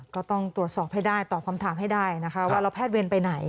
ก็ต้องตรวจสอบให้ได้ตอบคำถามให้ได้นะคะว่าแล้วแพทย์เวรไปไหน